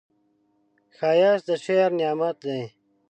ښایست د شکر نعمت دی